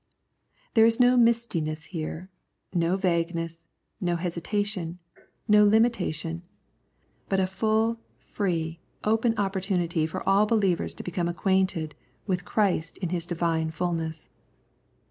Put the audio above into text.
There is no mistiness here, no vagueness, no hesitation, no limita tion, but a full, free, open opportunity for all believers to become acquainted with Christ in His Divine fulness.